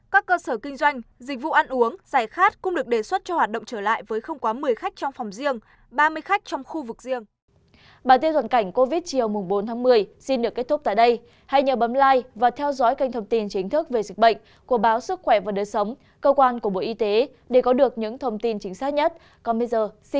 các cơ sở kinh doanh dịch vụ ăn uống giải khát cũng được đề xuất cho hoạt động trở lại với không quá một mươi khách trong phòng riêng ba mươi khách trong khu vực riêng